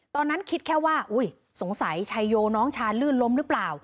ตอนนั้นคิดแค่ว่าอุ้ยสงสัยชัยโยน้องชายลื่นล้มหรือเปล่า